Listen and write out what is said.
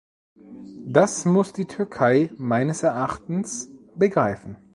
Das muss die Türkei meines Erachtens begreifen.